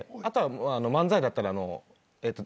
あとは漫才だったら。